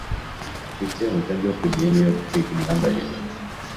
Afite umugambi wo kujya i New York kwiga imyambarire.